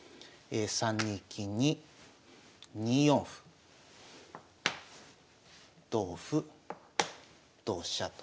３二金に２四歩同歩同飛車と。